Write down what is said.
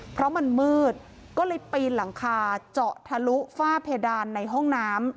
เพราะมันมืดก็เลยปีนหลังคาเจาะทะลุฝ้าเพดานในห้องน้ำ